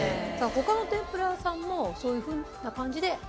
他の天ぷら屋さんもそういうふうな感じで？